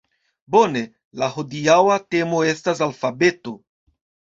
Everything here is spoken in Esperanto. Bone. La hodiaŭa temo estas alfabeto